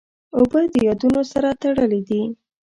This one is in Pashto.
اوبه د یادونو سره تړلې دي.